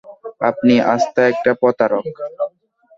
আপনি আস্ত একটা প্রতারক!